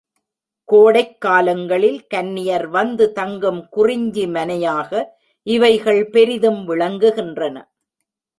கோடைக் காலங்களில் கன்னியர் வந்து தங்கும் குறிஞ்சிமனையாக இவைகள் பெரிதும் விளங்குகின்றன.